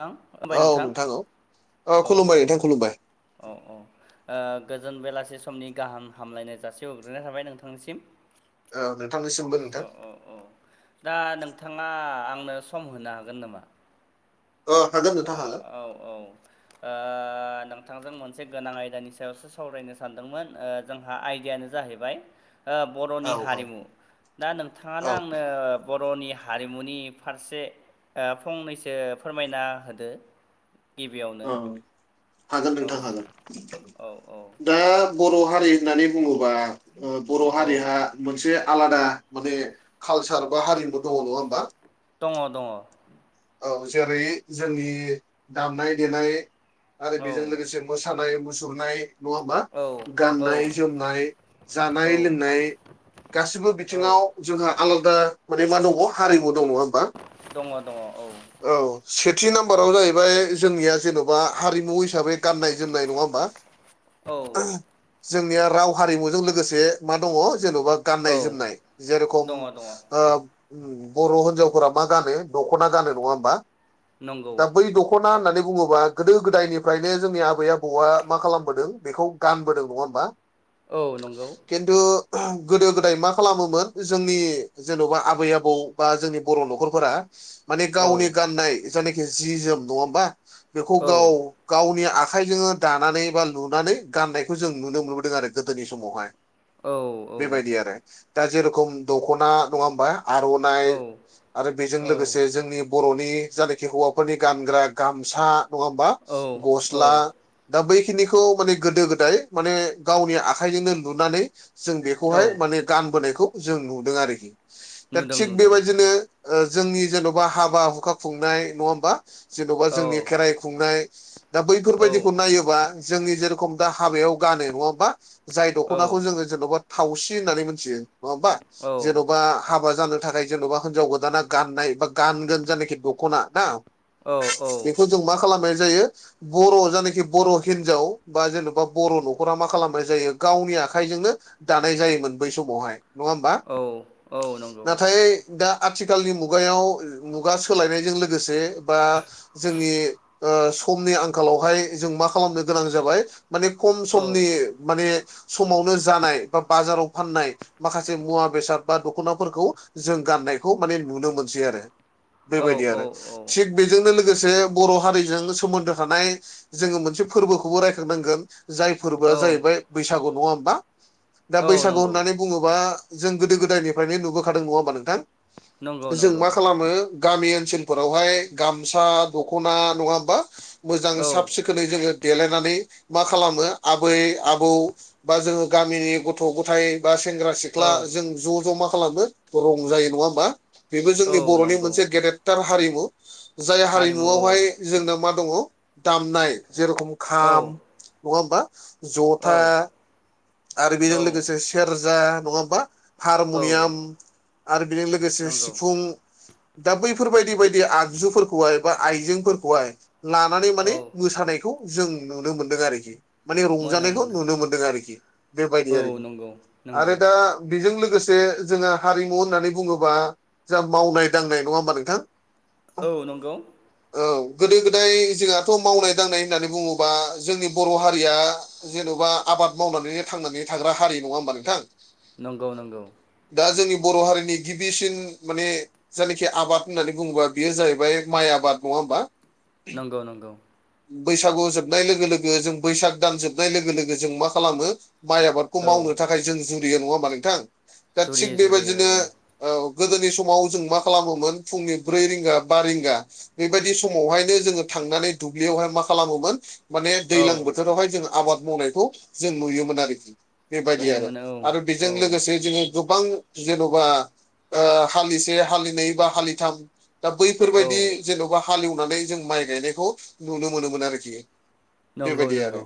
नोंथां [inaudible] खुलुमबाय औ नोंथां औ औ खुलुमबाय औ नोंथां खुलुमबाय औ औ ओ गोजोन बेलासे समनि गाहाम हामलायनाय जासिहरग्रोनाय थाबाय नोंथांनिसिम। ओ नोंथांनिसिमबो नोंथां। अ' दा नोंथाङा आंनो सम होनो हागोन नामा? ओ हागोन ओ नोंथा हागोन। औ औ। ओ नोंथांजों मोनसे गोनां आयदानि सायावसो सावरायनो सानदोंमोन ओ जोंहा आयदायानो जाहैबाय बर'नि औ औ हारिमु। दा नोंथाङानो औ आंनो बर'नि हारिमुनि फारसे ओ फंनैसो फोरमायना होदो? गिबियावनो अ हागोन औ नोंथां हागोन। औ औ दा बर' हारि होननानै बुङोबा बर' औ हारिहा मोनसे आलादा माने कालसार बा हारिमु दंङ' नङा होमबा दङ' दङ'। औ जेरै जोंनि दामनाय देनाय आरो बेजों औ लोगोसे मोसानाय मुसुरनाय नङा होनबा औ औ गाननाय जोमनाय, जानाय औ लोंनाय, गासिबो औ बिथिङाव जोंहा आलादा माने मा दङ' हारिमु दंङ' नङा होमबा। दङ' दङ औ। औ सेथि नाम्बाराव जाहैबाय जोंनिया जेन'बा हारिमु हिसाबै गाननाय जोमनाय नङा होमबा [inaudible] जोंनिया राव हारिमुजों लोगोसे मा दंङ' जेन'बा गाननाय औ जोमनाय जेर'खम दङ दङ ओ बर' हिनजावफोरा मा गानो दख'ना गानो नङा होमबा नंगौ दा बै दख' खना होननानै बुङोबा गोदो गोदायनिफ्रायनो जोंनि आबै आबौआ मा खालामबोदों बेखौ गानबोदों नङा होमबा। औ नंगौ। खिन्थु गोदो गोदाय मा खालामोमोन जोंनि जेन'बा आबै आबौ। बा जोंनि बर' न'खरफोरा माने गावनि औ गाननाय जायनाखि जि जोम नङा होमबा बेखौ औ गाव। औ गावनि आखाइजोंनो दानानै बा लुनानै गाननायखौ जों नुनो मोनबोदों आरो गोदोनि समावहाय। औ औ। बेबायदि आरो। दा जेरेखम दखना नङा हबा आर'नाइ। औ आरो बेजों औ लोगोसे जोंनि बर'नि जायानखि हौवाफोरनि गानग्रा गामसा। नङा होमबा। औ गस्ला, औ दा बैखिनिखौ माने गोदो गोदाय माने गावनि आखाइजोंनो लुनानै जों बेखौहाय औ माने गानबोनायखौ जों नुदों आरोखि। दा नुदों थिग बे नुदों बायदिनो जोंनि जेन'बा हाबा-हुखा खुंनाय नङा होमबा। जेन'बा औ जोंनि खेराइ खुंनाय दा औ बैफोरबायदिखौ नायोबा जोंनि जे रखम दा हाबायाव गानो नङा होमबा। जाय औ दख'नाखौ जोङो जेन'बा थावसि होननानै मोनथियो नङा होनबा औ जेन'बा हाबा जानो थाखाय जेन'बा हिनजाव गोदाना गाननाय बा गानगोन जनाखि दख'ना ना औ औ। बेखौ जों मा खालामनाय जायो। बर' जानखि बर' हिनजाव बा जेन'बा बर' न'खरा मा खालामनाय जायो गावनि आखाइजोंनो। दानाय जायोमोन बै समावहाय नङा होमबा। औ औ नंगौ नाथाय दा आथिखालनि मुगायाव मुगा सोलायनायजों लोगोसे बा जोंनि समनि आंखालावहाय जों मा खालामनो? गोनां जाबाय माने खम औ समनि माने समावनो जानाय बा बाजाराव फाननाय माखासे मुवा बेसाद बा दख'नाफोरखौ जों गाननायखौ माने नुनो मोनसै आरो। बे औ बायदि औ आरो थिग बेजोंनो लोगोसे बर' हारिजों सोमोन्दो थानाय जोङो मोनसे फोरबोखौबो रायखांनांगोन जाय औ फोरबोआ जाहैबाय बैसागु नङा होमबा। दा बैसागु नंगौ होननानै बुङोबा जों गोदो गोदायनिफ्रायनो नुबोखादों नङा होमबा नोंथां। नंगौ जों मा नंगौ खालामो? गामि ओनसोलफोरावहाय गामसा दख'ना नङा होनबा मोजां औ साब सिखोन खौ जोङो देलायनानै मा खालामो आब-आबौ बा जोङो गामिनि गथ' गथाय, बा सेंग्रा सिख्ला औ जों ज' ज' मा खालामो रंजायो नङा हबा बेबो जोंनि औ बर'नि नंगौ मोनसे गेदेरथार हारिमु जाय हारिमु औ हारिमुआवहाय जोंनाव मा दङ दामनाय जे रखम औ खाम नङा होमबा। औ जथा आरो औ बेजों लोगोसे सेरजा नङा होमबा? औ हारमुनियाम आरो बेजों लोगोसे नंगौ सिफुं। दा बैफोरबायदि बायदि आगजुफोरखौहाय बा आइजेंफोरखौहाय लानानै औ माने मोसानायखौ जों नुनो मोनदों आरोखि। माने मोनो रंजानायखौ मोनो नुनो मोनदों आरोखि। बे बायदि औ आरोखि। नंगौ नंगौ आरो दा बेजों लोगोसे जोङो हारिमु होननानै बुङोबा जा मावनाय दांनाय नङा होमबा नोंथां। औ नंगौ। औ गोदो गोदाय जोंहाथ' मावनाय दांनाय होननानै बुङोबा जोंनि बर' हारिया जेन'बा आबाद मावनानै थांनानै थाग्रा हारि नङा होमबा नोंथां। नंगौ नंगौ। दा जोंनि बर' हारिनि गिबिसिन माने जायनाखि आबाद होननानै बुङोबा बेयो जाहैबाय माइ आबाद नङा होमबा। नंगौ नंगौ। बैसागु जोबनाय लोगो लोगो जों बैसाग दान जोबनाय लोगो लोगो जों मा खालामो माइ आबाद। खौ औ मावनो थाखाय जों जुरिया नङा होनबा नोंथां। दा थिग जुरियो बे जुरियो बायदिनो औ औ गोदोनि समाव जों मा खालामोमोन फुंनि ब्रै रिंगा बा रिंगा बे बायदि समावहायनो जोङो थांनानै दुब्लियावहाय मा खालामोमोन माने औ दैजलां बोथोरावहाय जों आबाद मावनायखौ जों नुयोमोन आरोखि। बे बायदि आरो नुयोमोन औ आरो बेजों औ लोगोसे जोङो गोबां जेन'बा हालिसे हालिनै बा हालिथाम दा औ बैफोरबायदि जेन'बा हालेवनानै जों माइ गायनायखौ नुनो मोनोमोन आरोखि। बे नंगौ बायदि आरो। नंगौ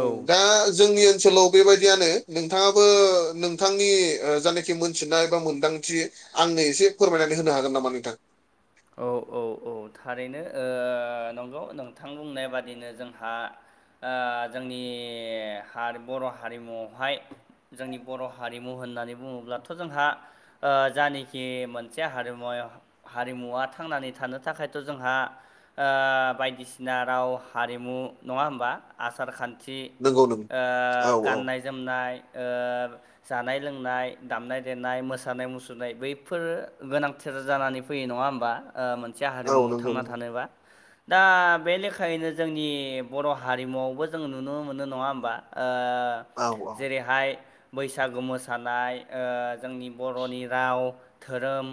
औ दा जोंनि ओनसोलाव बेबायदियानो नोंथाङाबो नोंथांनि ओ जानाखि मोनथिनाय बा मोनदांथि आंनो एसे फोरमायनानै होनो हागोन नामा नोंथां? औ औ औ थारैनो ओ नंगौ नोंथां बुंनाय बादिनो जोंहा ओ जोंनि हार बर' हारिमुवावहाय जोंनि बर' हारिमु होननानै बुङोब्लाथ' जोंहा ओ जानोखि मोनसे हारिमुवायाव हारिमुवा थांनानै थानो थाखायथ' जोंहा ओ बायदिसिना राव हारिमु नङा होमबा आसार खान खथि नंगौ नों ओ औ औ गाननाय जोमनाय ओ जानाय लोंनाय दामनाय देनाय मोसानाय मुसुरनाय बैफोरो गोनांथार जानानै फैयो नङा होमबा मोनसे औ हारिमुाव नंगौ थांना नंगौ थानोबा दा बे लेखायैनो जोंनि बर' हारिमुआवबो जों नुनो मोनो नङा होमबा। औ औ जेरैहाय बैसागु मोसानाय जोंनि बर'नि राव धोरोम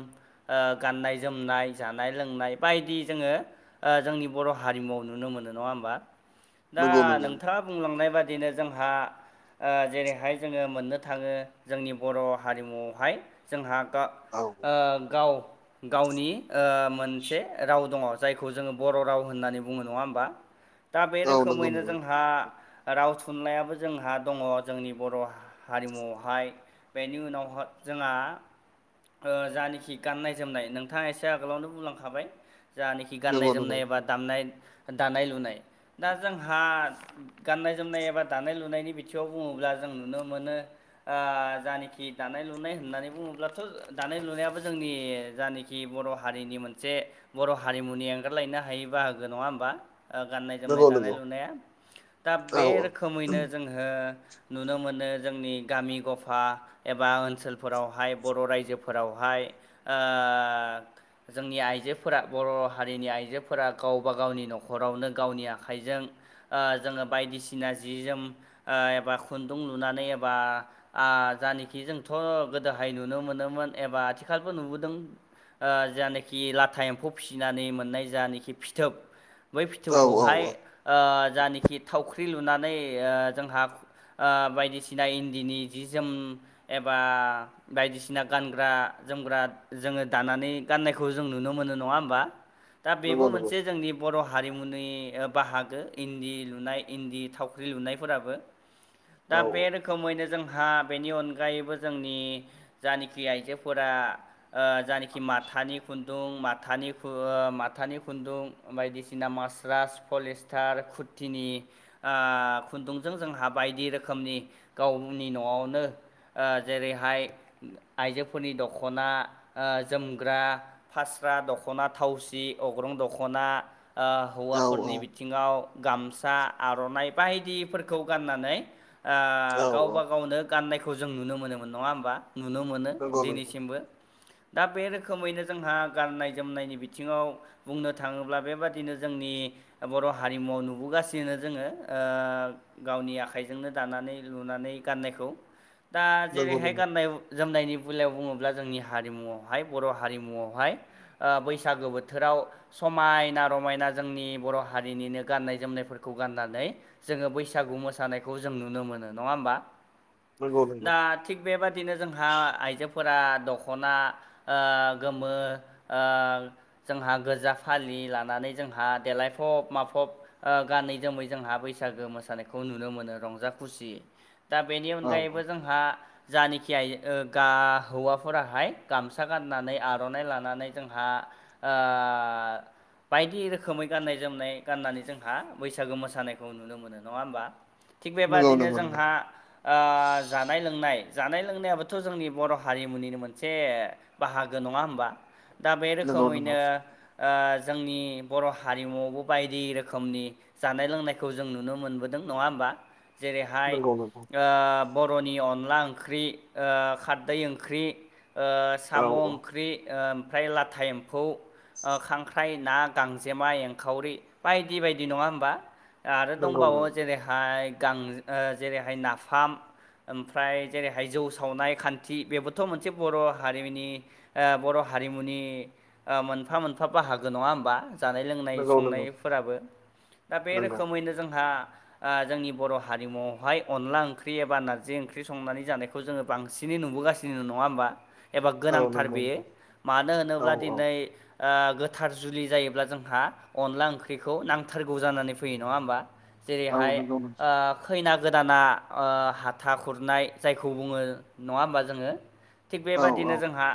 गाननाय जोमनाय जानाय लोंनाय बायदि जोङो जोंनि बर' हारिमुआव नुनो मोनो नङा होमबा। दा नंगौ नंगौ नोंथाङा बुंलांनाय बादिनो जोंहा ओ जेरैहाय जोङो मोननो थाङो जोंनि बर' हारिमुआवहाय जोंहा गा औ ओ गाव गावनि ओ मोनसे राव दङ जायखौ जोङो बर' राव होननानै बुङो नङा होमबा? दा बे औ नंगौ रोखोमैनो जोंहा राव थुनलाइाबो जोंहा दङ जोंनि बर' हारिमुआवहाय। बेनि उनाव ह जोंहा ओ जानोखि गाननाय जोमनाय नोंथाङा एसे आगोलावनो बुंलांखाबाय जानोखि गाननाय नंगौ जोमनाय एबा दामनाय दानाय लुनाय दा जोंहा गाननाय जोमनाय एबा दानाय लुनायनि बिथिङाव बुङोब्ला जों नुनो मोनो ओ जानोखि दानाय लुनाय होननानै बुङोब्लाथ' दानाय लुनायाबो जोंनि जानोखि बर' हारिनि मोनसे बर' हारिमुनि एंगारलायनो हायै बाहागो नङा होमबा? ओ गाननाय जोमनाय नंगौ नंगौ दानाय लुनाया। दा औ बे रोखोमैनो जोंहो नुनो मोनो जोंनि गामि गफा एबा ओनसोलफोरावहाय बर' रायजो फोरावहाय ओ जोंनि आइजोफोरा बर' हारिनि आइजोफोरा गावबा गावनि न'खरावनो गावनि आखाइजों ओ जोङो बायदिसिना जि जोम ओ एबा खुन्दुं लुनानै एबा ओ जानोखि जोंथ' गोदोहाय नुनो मोनोमोन एबा आथिखालबो नुबोदों। ओ जानोखि लाथा एम्फौ फिसिनानै मोननाय जानोखि फिथोब बै औ औ फिथौखौहाय औ ओ जानोखि थावख्रि लुनानै ओ जोंहा ओ बायदिसिना इन्दिनि जि जोम एबा बायदिसिना गानग्रा जोमग्रा जोङो दानानै गाननायखौ जों नुनो मोनो नङा होमबा? दा बेबो नंगौ नंगौ मोनसे जोंनि बर' हारिमुनि बाहागो इन्दि लुनाय, इन्दि थावख्रि लुनायफोराबो। दा औ बे रोखोमैनो जोंहा बेनि अनगायैबो जोंनि जानोखि आइजोफोरा ओ जानोखि माथानि खुन दुं माथानि खु ओ माथानि खुन्दुं बायदिसिना मास्रास पलिस्टार खुद थिनि ओ खुन्दुंजों जोंहा बायदि रोखोमनि गावनि न'आवनो ओ जेरैहाय आइजोफोरनि दख'ना आ जोमग्रा फास्रा दख'ना थावसि अग्रं दख'ना आ औ औ हौवाफोरनि बिथिङाव गामसा आर'नाइ बायदिफोरखौ गाननानै ओ गावबा गावनो गाननायखौ जों नुनो मोनोमोन नङा होमबा? नुनो मोनो नंगौ नंगौ दिनैसिमबो। दा बे रोखोमैनो जोंहा गाननाय जोमनायनि बिथिङाव बुंनो थाङोब्ला बेबादिनो जोंनि बर' हारिमुवाव नुबोगासिनो जोङो। ओ गावनि आखाइजोंनो दानानै लुनानै गाननायखौ दा नंगौ जेरैहाय नंगौ गाननाय जोमनायनि बेलायाव बुङोब्ला जोंनि हारिमुआवहाय बर' हारिमुआवहाय ओ बैसागो बोथोराव समायना रमायना जोंनि बर' हारिनिनो गाननाय जोमनायफोरखौ गाननानै जोंङो बैसागु मोसानायखौ जों नुनो मोनो नङा होमबा नंगौ नंगौ दा थिग बेबादिनो जोंहा आइजोफोरा दख'ना ओ गोमो ओ जोंहा गोजा फालि लानानै जोंहा देलायफब माफब ओ गानै जोमै जोंहा बैसागो मोसानायखौ नुनो मोनो रंजा खुसि। दा बेनि औ अनगायैबो औ जोंहा जानोखि गियाय ओ गा हौवाफोराहाय गामसा गाननानै आर'नाइ लानानै जोंहा ओ बायदि रोखोमै गाननाय जोमनाय गाननानै जोंहा बैसागो मोसानायखौ नुनो मोनो। नंङा होनबा। थि नंगौ बेबनो नंगौ नंगौ जोंहा जानाय लों जा लोंनायाबोथ' जोंनि बर' हारिमुनिनो मोनसे बाहागो नङा होमबा दा बे नंगौ नंगौ रोखोमैनो ओ जोंनि बर' हारिमुआवबो बायदि रोखोमनि जानाय लोंनायखौ जों नुनो मोनबोदों नङा होमबा जेरैहाय नंगौ नंगौ ओ बर'नि अनला ओंख्रि ओ खारदै ओंख्रि ओ औ साम' औ ओंख्रि ओ ओमफ्राय लाथा एम्फौ ओ खांख्राइ ना गांजेमा एंखावरि बायदि बायदि नङा होमबा आरो नंगौ दंबावो नंगौ जेरैहाय गां ओ जेरैहाय नाफाम ओमफ्राय जेरैह जौ सावनाय खान्थि बेबोथ' मोनसे बर' हारिमनि ओ बर' हारिमुनि ओ मोनफा मोनफा बाहागो नङा होमबा जानाय लोंनाय नंगौ नंगौ संनायफोराबो दा बे नंगौ रोखोमैनो जोंहा ओ जोंनि बर' हारिमुावहाय अनला ओंख्रि एबा नारजि ओंख्रि संनानै जानायखौ खौ जोंङो बांसिनै नुबोगासिनो नङा होमबा एबा औ गोनांथार नंगौ बेयो नंगौ मानो औ होनोब्ला औ दिनै ओ गोथार जुलि जायोब्ला जोंहा अनला ओंख्रिखौ नांथारगौ जानानै फैयो नङा होमबा। औ जेरैहाय नंगौ नंगौ खैना गोदाना हाथा खुरनाय जाय खौ बुङो नङा होमबा जोंङो थिग औ औ बेबदिनो जोंहा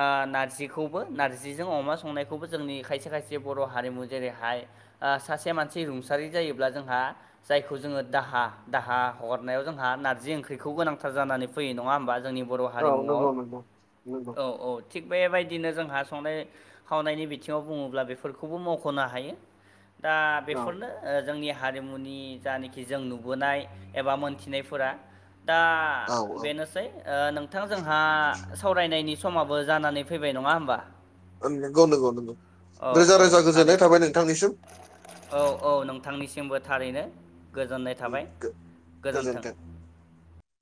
ओ नारजिखौबो नार्जिजों अमा संनायखौबो जोंनि खायसे खायसे बर' हारिमु जेरैहाय ओ सासे मानसि रुंसारि जायोब्ला जोंहा जायखौ जोंङो दाहा दाहा हरनायाव जोंहा नारजि ओंख्रिखौ गोनां [unintelligible] थार जानानै फैयो नङा होमबा जोंनि बर' औ हारिमुआव नंगौ नंगौ नंगौ औ औ थिग बेबायदिनो जोंहा संनाय खावनायनि बिथिङाव बुङोब्ला बेफोरखौबो मख'नो हायो दा औ बेफोरनो ओ जोंनि हारिमुनि जानाखि जों नुबोनाय एबा मोनथिनायफोरा दा औ ओ औ बेनोसै ओ नोंथां जोंहा सावरायनायनि समाबो जानानै फैबाय नङा होमबा नंगौ नंगौ नंगौ औ रोजा औ रोजा थारै गोजोननाय थाबाय नोंथांनिसिम औ औ नोंथांनिसिमबो थारैनो गोजोननाय थाबाय गो- गोजोन्थों।